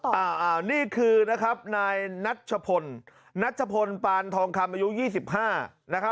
อย่างนี้คือนายนัดชะพนนัดชะพนปาลทองคำอายุ๒๕